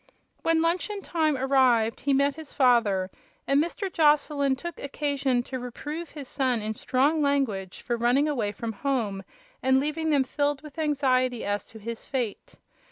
When luncheon time arrived he met his father, and Mr. Joslyn took occasion to reprove his son in strong language for running away from home and leaving them filled with anxiety as to his fate.